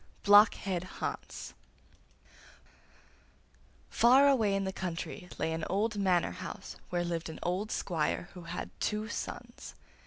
BLOCKHEAD HANS Far away in the country lay an old manor house where lived an old squire who had two sons.